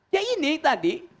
ya ini tadi